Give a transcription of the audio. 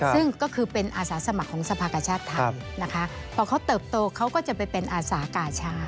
ซึ่งก็คือเป็นอาสาสมัครของสภากชาติไทยนะคะพอเขาเติบโตเขาก็จะไปเป็นอาสากาชาติ